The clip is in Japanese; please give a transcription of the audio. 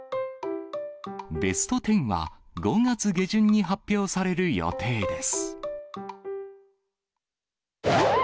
ベスト１０は、５月下旬に発表される予定です。